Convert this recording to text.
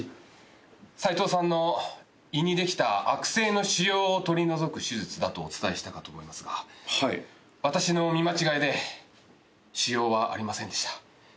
サイトウさんの胃にできた悪性の腫瘍を取り除く手術だとお伝えしたかと思いますが私の見間違いで腫瘍はありませんでした。